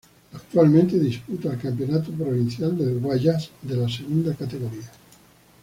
Actualmente disputa el campeonato provincial del Guayas de la Segunda Categoría.